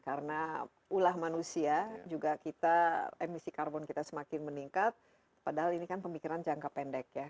karena ulah manusia juga kita emisi karbon kita semakin meningkat padahal ini kan pemikiran jangka pendek ya